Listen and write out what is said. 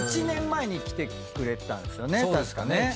１年前に来てくれたんですよね。